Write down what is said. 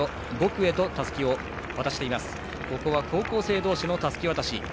高校生同士のたすき渡し。